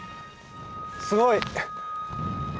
すごい！